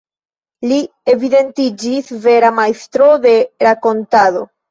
Li evidentiĝis vera majstro de rakontado.